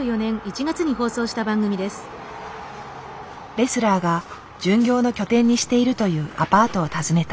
レスラーが巡業の拠点にしているというアパートを訪ねた。